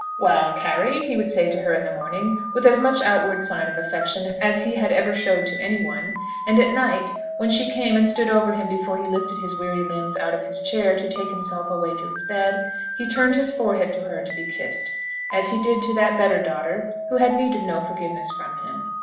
"Well, Carry," he would say to her in the morning, with as much outward sign of affection as he ever showed to any one; and at night, when she came and stood over him before he lifted his weary limbs out of his chair to take himself away to his bed, he turned his forehead to her to be kissed, as he did to that better daughter who had needed no forgiveness from him.